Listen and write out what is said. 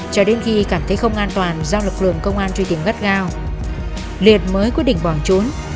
cho đến khi cảm thấy không an toàn do lực lượng công an truy tìm gắt gao liền mới quyết định bỏ trốn